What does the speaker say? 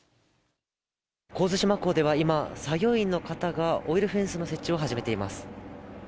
神津島港では今、作業員の方がオイルフェンスの設置を始めています。